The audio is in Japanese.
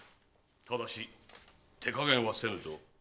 ただし手加減はせぬぞ。